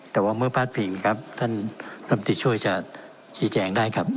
แต่ว่าเมื่อพาดพิงครับท่านลำตีช่วยจะชี้แจงได้ครับ